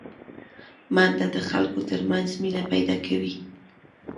منډه د خلکو ترمنځ مینه پیداکوي